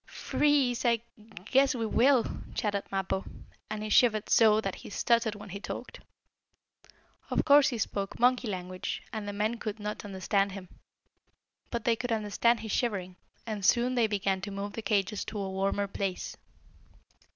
"Free e e e eze! I I I I I g g g g guess we will!" chattered Mappo, and he shivered so that he stuttered when he talked. Of course he spoke monkey language, and the men could not understand him. But they could understand his shivering, and soon they began to move the cages to a warmer place.